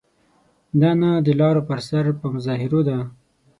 دا نه د لارو پر سر په مظاهرو ده.